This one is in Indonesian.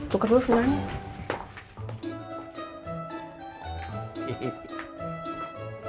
tuker dulu semuanya